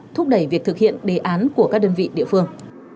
thúc đẩy việc thực hiện đề án của các đơn vị địa phương